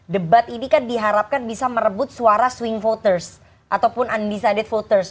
debat ini kan diharapkan bisa merebut suara swing voters ataupun undecided voters